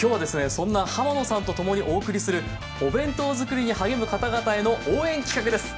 そんな浜野さんと共にお送りするお弁当作りに励む方々への応援企画です。